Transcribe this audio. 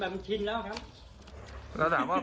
ไม่ได้กลัวครับมันแบบทิ้งแล้วครับ